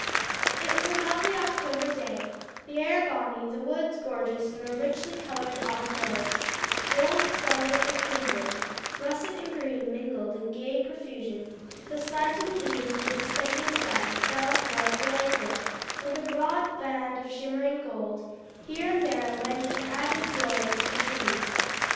It was a lovely October day, the air balmy, the woods gorgeous in their richly colored autumn robes; gold, scarlet and crimson, russet and green mingled in gay profusion; the slanting beams of the descending sun fell athwart the lakelet, like a broad band of shimmering gold, and here and there lent an added glory to the trees.